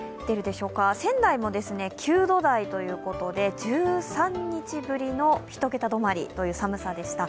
仙台も９度台ということで１３日ぶりの１桁止まりという寒さでした。